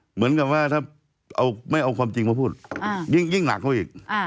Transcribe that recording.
เหมือนกับว่าถ้าไม่เอาความจริงมาพูดยิ่งหนักเขาอีก